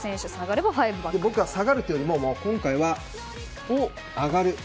僕は下がるというよりは今回は上がる。